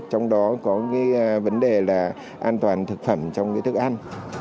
trong đó có vấn đề là an toàn thực phẩm trong thức ăn